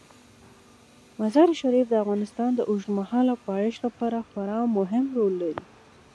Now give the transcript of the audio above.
مزارشریف د افغانستان د اوږدمهاله پایښت لپاره خورا مهم رول لري.